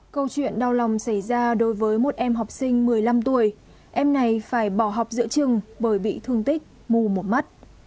câu chuyện đau lòng xảy ra đối với một em học sinh một mươi năm tuổi em này phải bỏ học giữa trường bởi bị thương tích mù một mắt